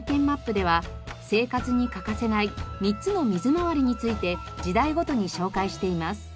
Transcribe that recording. マップでは生活に欠かせない３つの水回りについて時代ごとに紹介しています。